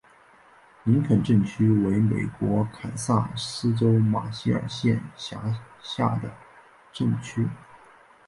林肯镇区为美国堪萨斯州马歇尔县辖下的镇区。